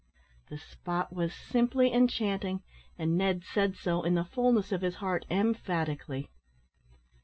The spot was simply enchanting and Ned said so, in the fulness of his heart, emphatically.